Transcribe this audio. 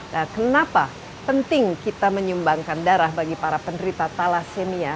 nah kenapa penting kita menyumbangkan darah bagi para penderita thalassemia